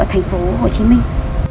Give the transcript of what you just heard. thành phố hồ chí minh